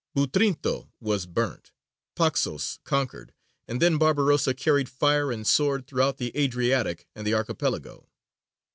Butrinto was burnt, Paxos conquered, and then Barbarossa carried fire and sword throughout the Adriatic and the Archipelago.